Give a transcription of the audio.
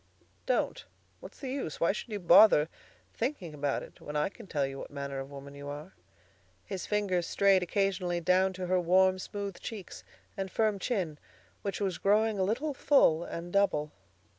"Don't. What's the use? Why should you bother thinking about it when I can tell you what manner of woman you are." His fingers strayed occasionally down to her warm, smooth cheeks and firm chin, which was growing a little full and double.